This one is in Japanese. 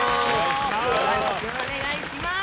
よろしくお願いします。